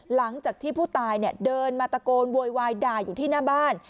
หลังจากที่ผู้ตายเดินมาตะโกนโวยวายด่าอยู่ที่หน้าบ้าน